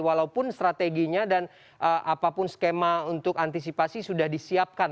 walaupun strateginya dan apapun skema untuk antisipasi sudah disiapkan